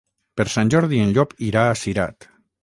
Per Sant Jordi en Llop irà a Cirat.